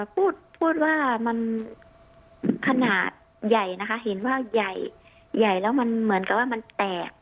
พูดพูดว่ามันขนาดใหญ่นะคะเห็นว่าใหญ่ใหญ่แล้วมันเหมือนกับว่ามันแตก